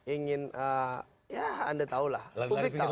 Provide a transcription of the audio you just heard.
ingin ya anda tahu lah publik tahu